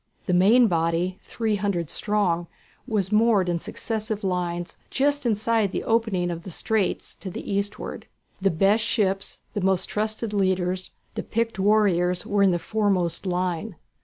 The main body, three hundred strong, was moored in successive lines, just inside the opening of the straits to the eastward. The best ships, the most trusted leaders, the picked warriors were in the foremost line.